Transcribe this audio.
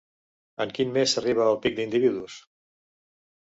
En quin mes s'arriba al pic d'individus?